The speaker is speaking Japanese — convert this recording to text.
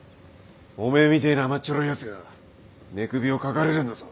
おめえみたいな甘っちょろいやつが寝首をかかれるんだぞ。